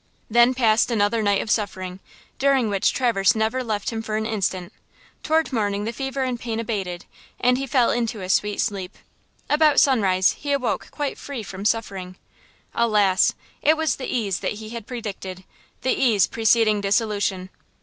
Then passed another night of suffering, during which Traverse never left him for an instant. Toward morning the fever and pain abated, and he fell into a sweet sleep. About sunrise he awoke quite free from suffering. Alas! It was the ease that he had predicted–the ease preceding dissolution.